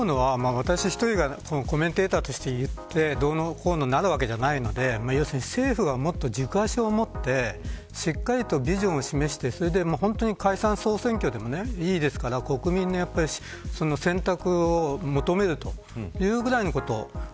思うのは、私一人がコメンテーターとして言ってどうのこうのなるわけじゃないので政府がもっと軸足を持ってしっかりとビジョンを示して解散総選挙でもいいですから国民の選択を求めるそれくらいのことを。